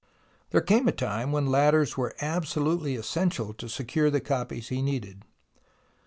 There came a time when ladders were absolutely essential to secure the copies he needed.